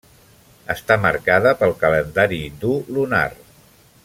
Està marcada pel calendari hindú lunar.